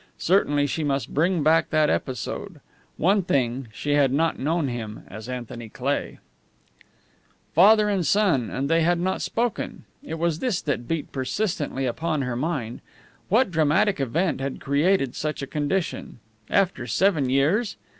Certainly she must bring back that episode. One thing, she had not known him as Anthony Cleigh. Father and son, and they had not spoken! It was this that beat persistently upon her mind. What dramatic event had created such a condition? After seven years!